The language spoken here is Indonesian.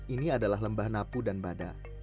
ini adalah lembah napu dan bada